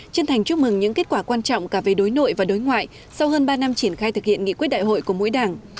chân thành chúc mừng những kết quả quan trọng cả về đối nội và đối ngoại sau hơn ba năm triển khai thực hiện nghị quyết đại hội của mỗi đảng